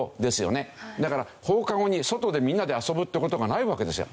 だから放課後に外でみんなで遊ぶって事がないわけですよ。